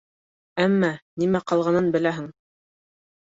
Әммә нимә ҡалғанын беләһең.